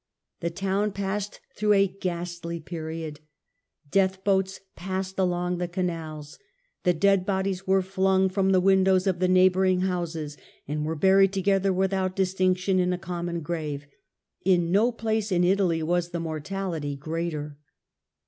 The town passed through a ghastly period : death boats passed along the canals, the dead bodies were flung from the windows of the neighbouring houses, and were buried together without distinction in a common grave. In no place in Italy was the mortahty greater.